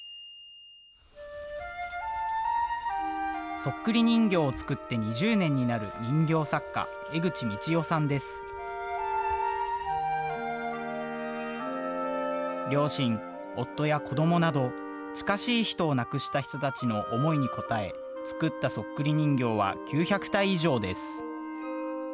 そっくり人形を作って２０年になる両親夫や子どもなど近しい人を亡くした人たちの思いに応え作ったそっくり人形は９００体以上です。